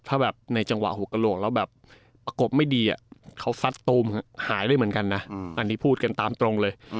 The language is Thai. ถ้าแบบในจังหวะหัวกระโหลกแล้วแบบประกบไม่ดีเขาซัดตูมหายเลยเหมือนกันนะอันนี้พูดกันตามตรงเลย